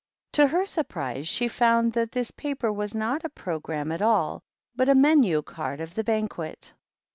To her surpris she found that this paper was not a Programme a all, but a 3Ienu card of the Banquet.